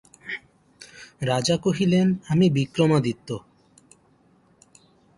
রাজা কহিলেন, আমি বিক্রমাদিত্য।